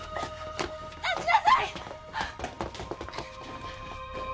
待ちなさい！